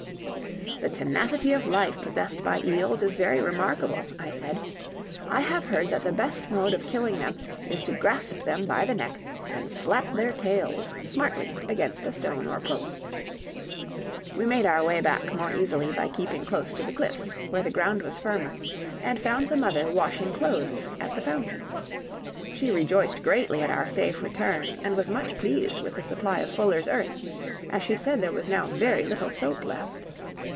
"The tenacity of life possessed by eels is very remarkable," I said. "I have heard that the best mode of killing them is to grasp them by the neck and slap their tails smartly against a stone or post." We made our way back more easily by keeping close to the cliffs, where the ground was firmer, and found the mother washing clothes at the fountain. She rejoiced greatly at our safe return, and was much pleased with the supply of fuller's earth, as she said there was now very little soap left.